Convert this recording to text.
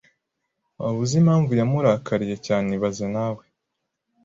Waba uzi impamvu yamurakariye cyane ibaze nawe